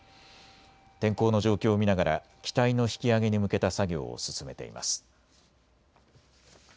天候の状況を見ながら機体の引き揚げに向けた作業を進めています。